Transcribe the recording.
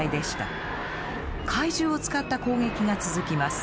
怪獣を使った攻撃が続きます。